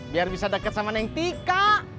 biar bisa deket sama neng tika